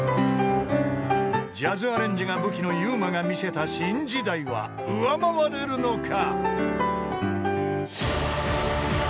［ジャズアレンジが武器のｙｕｍａがみせた『新時代』は上回れるのか］